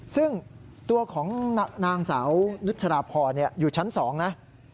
ซึ่งตัวของนางสาวนุชราพรอยู่ชั้น๒นะ